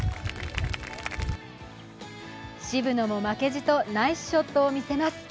渋野も負けじとナイスショットを見せます。